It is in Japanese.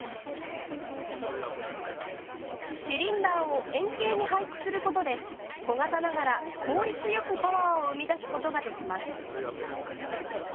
シリンダーを円形に配置することで小型ながら効率よくパワーを生み出すことができます。